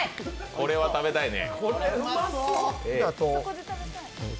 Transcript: これは食べたいね。